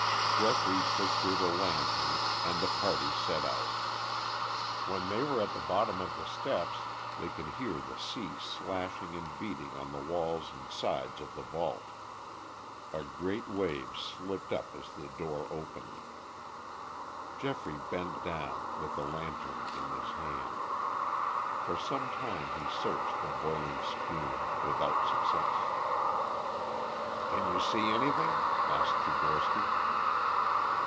Geoffrey procured a lantern and the party set out. When they were at the bottom of the steps they could hear the sea slashing and beating on the walls and sides of the vault. A great wave slipped up as the door opened. Geoffrey bent down with the lantern in his hand. For some time he searched the boiling spume without success. "Can you see anything?" asked Tchigorsky.